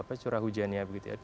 apa curah hujannya begitu ya